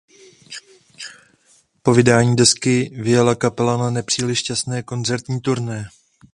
Po vydání desky vyjela kapela na nepříliš šťastné koncertní turné.